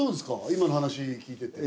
今の話聞いてて。